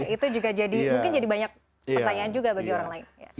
itu juga mungkin jadi banyak pertanyaan juga bagi orang lain